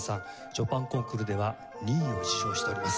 ショパンコンクールでは２位を受賞しております。